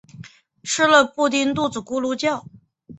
吃了布丁肚子咕噜叫